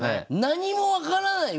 何も分からない